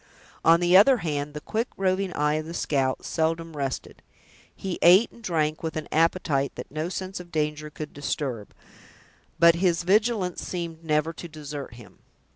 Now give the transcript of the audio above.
On the other hand, the quick, roving eye of the scout seldom rested. He ate and drank with an appetite that no sense of danger could disturb, but his vigilance seemed never to desert him.